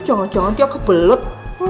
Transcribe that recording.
jangan jangan dia kebelet